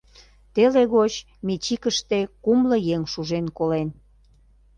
Теле гоч Мечикыште кумло еҥ шужен колен.